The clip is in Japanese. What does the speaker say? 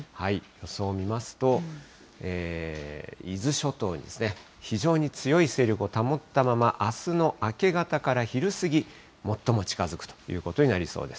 予想を見ますと、伊豆諸島に非常に強い勢力を保ったまま、あすの明け方から昼過ぎ、最も近づくということになりそうです。